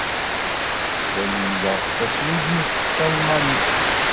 La lemmdeɣ taswidit ed talmanit.